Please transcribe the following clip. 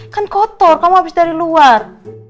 kan kotor kamu habis dari luar